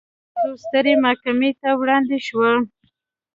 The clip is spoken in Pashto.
موضوع سترې محکمې ته وړاندې شوه.